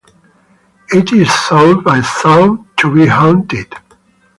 It is thought by some to be haunted.